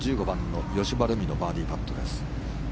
１５番の葭葉ルミのバーディーパットです。